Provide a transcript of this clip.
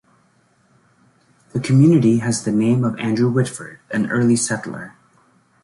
The community has the name of Andrew Whitford, an early settler.